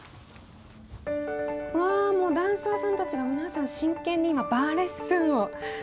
うわもうダンサーさんたちが皆さん真剣に今バーレッスンをしているところです。